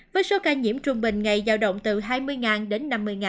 với số ca nhiễm trung bình ngày giao động từ hai mươi đến năm mươi